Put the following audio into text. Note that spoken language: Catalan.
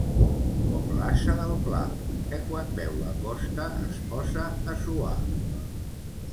Com l'ase del pla, que quan veu la costa es posa a suar.